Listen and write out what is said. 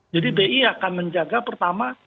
jadi bi akan menjaga pertama